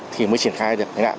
thì mới triển khai được